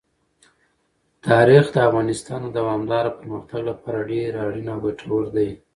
تاریخ د افغانستان د دوامداره پرمختګ لپاره ډېر اړین او ګټور دی.